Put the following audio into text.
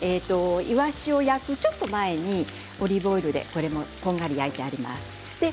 イワシを焼くちょっと前にオリーブオイルでほんのり焼いてあります。